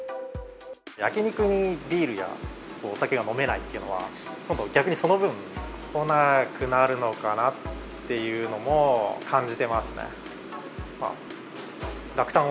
焼き肉にビールやお酒が飲めないっていうのは、今度、逆にその分、来なくなるのかなっていうのも感じてますね。